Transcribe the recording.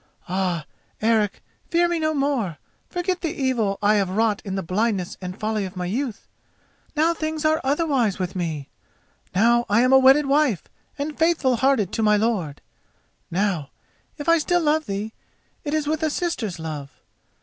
Ah, Eric, fear me no more; forget the evil that I have wrought in the blindness and folly of my youth. Now things are otherwise with me. Now I am a wedded wife and faithful hearted to my lord. Now, if I still love thee, it is with a sister's love.